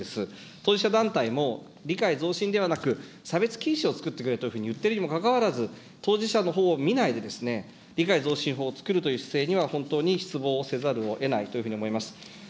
当事者団体も、理解増進ではなく、差別禁止を作ってくれというふうに言っているにもかかわらず、当事者のほうを見ないで、理解増進法を作るという姿勢には、本当に失望せざるをえないというふうに思います。